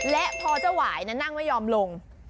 และพอเจ้าหวายนั้นนั่งไม่ยอมลง